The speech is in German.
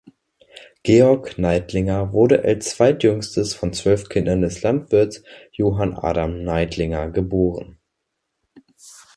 Georg Neidlinger wurde als zweitjüngstes von zwölf Kinder des Landwirts Johann Adam Neidlinger geboren.